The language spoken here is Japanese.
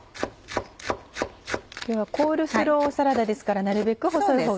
今日はコールスローサラダですからなるべく細いほうが。